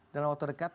dalam waktu dekat